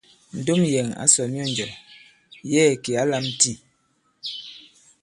Ndom yɛ̀ŋ ǎ sɔ̀ myɔnjɔ̀, yɛ̌ɛ̀ kì ǎ lām tî.